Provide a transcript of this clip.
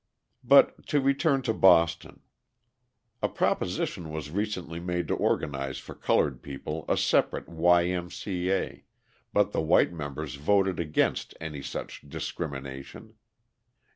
But to return to Boston. A proposition was recently made to organise for coloured people a separate Y. M. C. A., but the white members voted against any such discrimination.